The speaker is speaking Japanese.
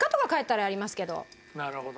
なるほど。